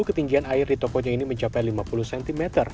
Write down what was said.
ketinggian air di tokonya ini mencapai lima puluh cm